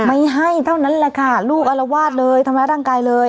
ไม่ให้เท่านั้นแหละค่ะลูกอารวาสเลยทำร้ายร่างกายเลย